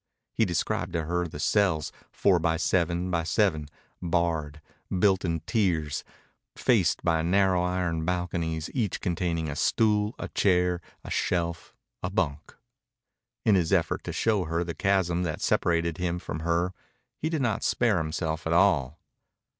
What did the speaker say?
He described to her the cells, four by seven by seven, barred, built in tiers, faced by narrow iron balconies, each containing a stool, a chair, a shelf, a bunk. In his effort to show her the chasm that separated him from her he did not spare himself at all.